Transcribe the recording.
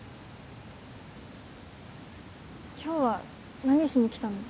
今日は何しに来たの？